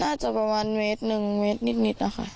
อาจจะประมาณเมตรหนึ่งเมตรนิดนะคะ